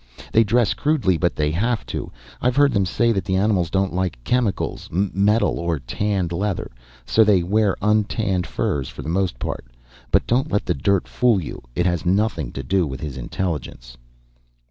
They dress crudely, but they have to. I've heard them say that the animals don't like chemicals, metal or tanned leather, so they wear untanned furs for the most part. But don't let the dirt fool you, it has nothing to do with his intelligence."